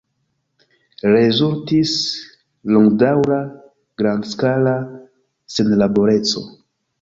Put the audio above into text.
Rezultis longdaŭra grandskala senlaboreco.